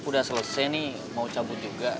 udah selesai nih mau cabut juga